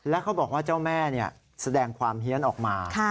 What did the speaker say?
แล้วเขาบอกว่าเจ้าแม่แสดงความเฮียนออกมา